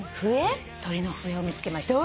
鳥の笛を見つけました。